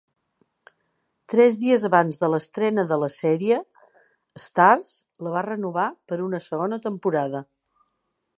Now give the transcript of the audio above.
Tres dies abans de l'estrena de la sèrie, Starz la va renovar per una segona temporada.